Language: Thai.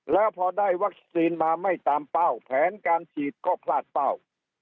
แล้วพอได้วัคซีนมาไม่ตามเป้าแผนการฉีดก็พลาดเป้า